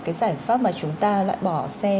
cái giải pháp mà chúng ta loại bỏ xe